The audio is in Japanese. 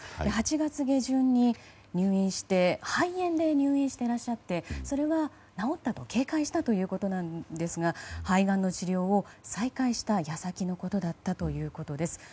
８月下旬に肺炎で入院してらっしゃってそれは治ったと軽快したということなんですが肺がんの治療を再開した矢先のことだったということです。